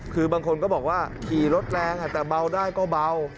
คือบางคนก็บอกว่าขี่รถแรงแต่เบาได้ก็เบา